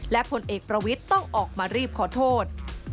และผลเอกประวิทย์ต้องออกมารีบขอโทษ